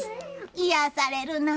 癒やされるな。